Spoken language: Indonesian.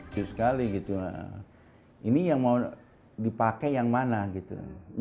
pure sekali gitu ini yang mau dipakai yang mana gitu